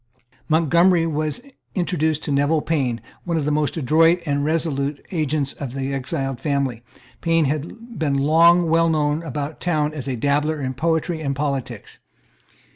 Montgomery was introduced to Neville Payne, one of the most adroit and resolute agents of the exiled family, Payne had been long well known about town as a dabbler in poetry and politics.